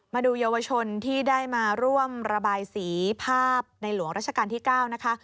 มาดูเยาวชนที่ได้มาร่วมระบายสีภาพในหลวงราชการที่๙นะคะ